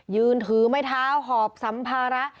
ยืนถือไม้เท้าหอบสัมภาระ